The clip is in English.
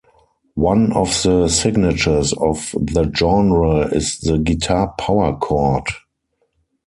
One of the signatures of the genre is the guitar power chord.